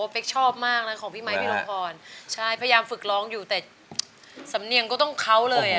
อ๋อทุกช่วงเวลาของชีวิตเขา